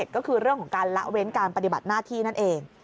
ก็คือเรื่องของการละเว้นการปฏิบัติหน้าที่นั่นเอง